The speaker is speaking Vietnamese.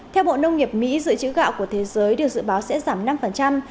theo bộ nông nghiệp mỹ dự trữ gạo của thế giới được dự báo sẽ giảm năm